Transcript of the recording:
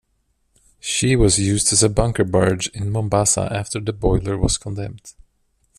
She was used as a bunker barge in Mombasa after the boiler was condemned.